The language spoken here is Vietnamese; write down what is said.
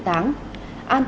an táng ba liệt sĩ